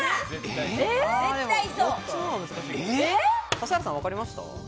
指原さん、分かりました？